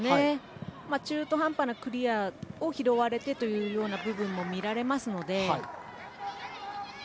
中途半端なクリアを拾われてという部分も見られますので。